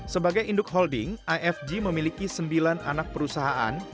sebagai induk holding ifg memiliki sembilan anak perusahaan